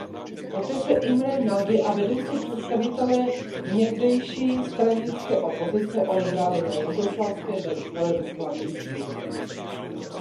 Poté se Imre Nagy a vedoucí představitelé někdejší stranické opozice odebrali na jugoslávské velvyslanectví.